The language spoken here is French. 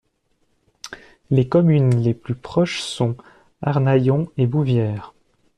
Les communes les plus proches sont Arnayon et Bouvières.